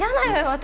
私。